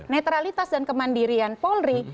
netralitas dan kemandirian polri